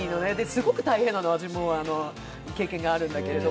すごく大変なの、私も経験があるんだけど。